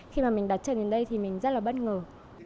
khi mà mình đã trở nên đây thì mình rất là bất ngờ